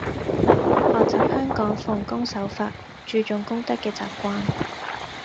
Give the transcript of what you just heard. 學習香港奉公守法、注重公德嘅習慣